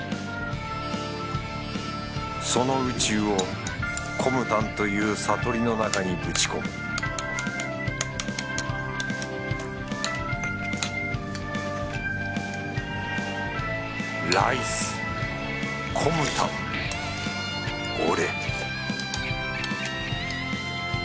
その宇宙をコムタンという悟りの中にぶち込むライスコムタン俺